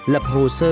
lập hồ sơ